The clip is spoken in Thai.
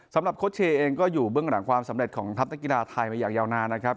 โค้ชเชย์เองก็อยู่เบื้องหลังความสำเร็จของทัพนักกีฬาไทยมาอย่างยาวนานนะครับ